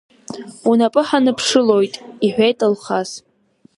Унапы ҳаныԥшылоит, — иҳәеит Алхас.